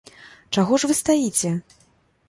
Чаго ж вы стаіце?